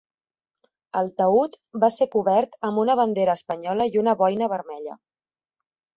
El taüt va ser cobert amb una bandera espanyola i una boina vermella.